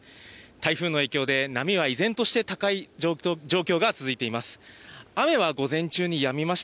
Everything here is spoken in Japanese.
台風の影響で波は依然として高い状況が続いています。